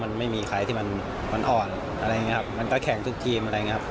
มันไม่มีใครที่มันอ่อนอะไรอย่างนี้ครับมันก็แข่งทุกทีมอะไรอย่างเงี้ย